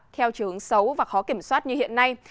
theo chiều hướng xấu và khó kiểm soát như hiện nay